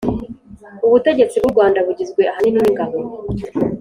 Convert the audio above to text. ubutegetsi bw'u Rwanda bugizwe ahanini n'ingabo